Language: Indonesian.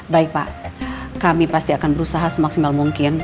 baik pak kami pasti akan berusaha semaksimal mungkin